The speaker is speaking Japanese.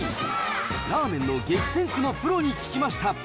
ラーメンの激戦区のプロに聞きました。